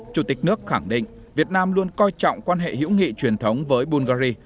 chủ tịch nước khẳng định việt nam luôn coi trọng quan hệ hữu nghị truyền thống với bulgari